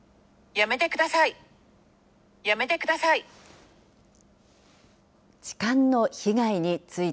やめてください。